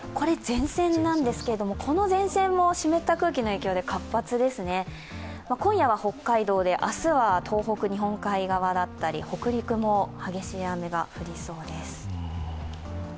前線なんですけれども、この全連も湿った空気の影響で活発ですね、今夜は北海道で、明日は東北の日本海側だったり、北陸も激しい雨が降りそうです。